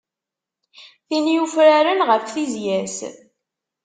Tin yufraren ɣef tizya-s.